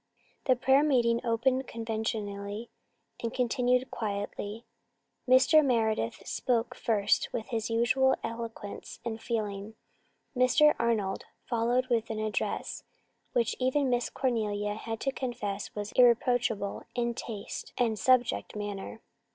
The prayer meeting opened conventionally and continued quietly. Mr. Meredith spoke first with his usual eloquence and feeling. Mr. Arnold followed with an address which even Miss Cornelia had to confess was irreproachable in taste and subject matter.